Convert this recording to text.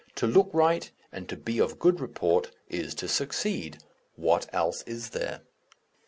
To look right and to be of good report is to succeed. What else is there?